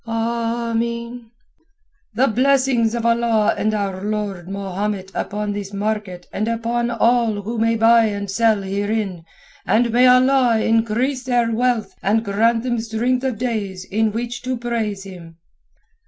"Ameen." "The blessings of Allah and our Lord Mahomet upon this market and upon all who may buy and sell herein, and may Allah increase their wealth and grant them length of days in which to praise Him."